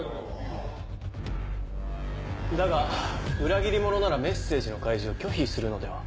だが裏切り者ならメッセージの開示を拒否するのでは？